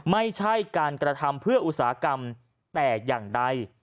ไม่ใช่การกระทำเพื่ออุตสาหกรรมแต่อย่างใด